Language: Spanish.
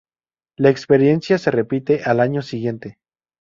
La experiencia se repite al año siguiente.